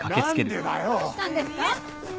どうしたんですか？